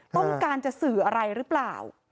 ต้องการจะสื่ออะไรหรือเปล่า